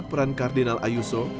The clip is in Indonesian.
peran kardinal ayuso